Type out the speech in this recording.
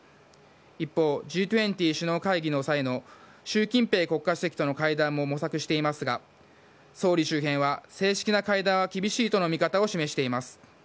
一方、Ｇ２０首脳会議の際の習近平国家主席との会談も模索していますが、総理周辺は、正式な会談は厳しいとの見方を示しています。